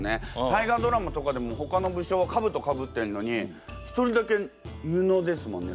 大河ドラマとかでもほかの武将はかぶとかぶってんのに一人だけ布ですもんね。